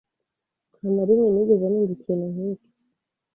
Nta na rimwe nigeze numva ikintu nk'iki